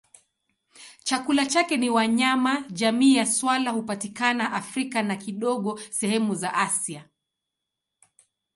Chakula chake ni wanyama jamii ya swala hupatikana Afrika na kidogo sehemu za Asia.